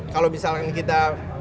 kalau misalkan kita